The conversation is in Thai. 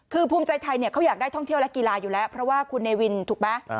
คือภูมิใจไทยเขาอยากได้ท่องเที่ยวและกีฬาอยู่แล้วเพราะว่าคุณเนวินถูกไหม